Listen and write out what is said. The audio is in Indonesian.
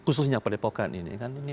khususnya pak depokan ini